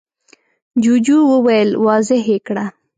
جوجو وويل: واضح يې کړه!